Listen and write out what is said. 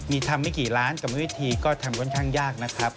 มีทำไม่กี่ล้านกรรมวิธีก็ทำค่อนข้างยากนะครับ